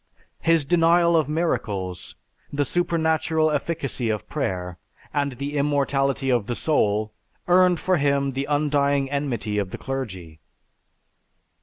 His denial of miracles, the supernatural efficacy of prayer, and the immortality of the soul earned for him the undying enmity of the clergy.